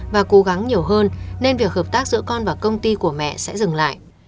và cố gắng nhiều hơn nên việc hợp tác giữa con và công ty của mẹ sẽ dừng lại